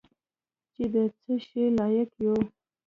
چې د څه شي لایق یو .